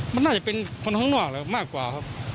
มันน่าจะเป็นคนข้างนอกแล้วมากกว่าครับ